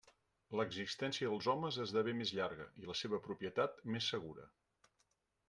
L'existència dels homes esdevé més llarga i la seva propietat més segura.